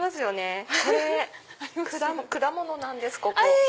これ果物なんですここ。